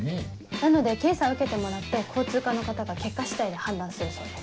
なので検査を受けてもらって交通課の方が結果次第で判断するそうです。